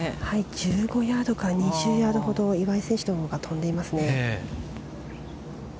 １５ヤードから２０ヤードほど岩井選手の方が飛んでいます。